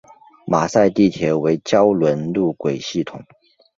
马赛地铁为胶轮路轨系统。